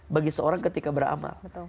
bagi seorang ketika beramal